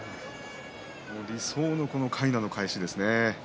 理想のかいなの返しですね。